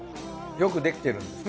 よくできてるんですか？